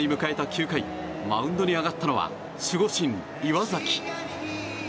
９回マウンドに上がったのは守護神・岩崎。